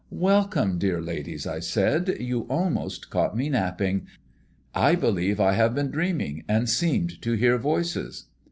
"Welcome, dear ladies," I said. "You almost caught me napping. I believe I have been dreaming, and seemed to hear voices."